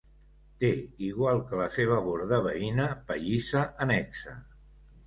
Té, igual que la seva borda veïna, pallissa annexa.